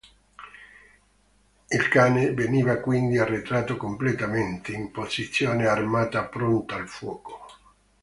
Il cane veniva quindi arretrato completamente, in posizione armata pronta al fuoco.